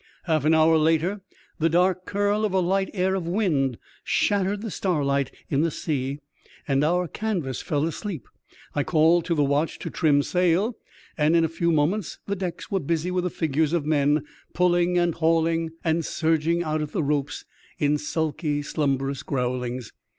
Half an hour later, the dark curl of a light air of wind shattered the starlight in the sea, and our canvas fell asleep. I called to the watch to trim sail, and in a few moments the decks were busy with the figures of men pulling and hauling and surging out at the ropes, in sulky, slumberous growlings.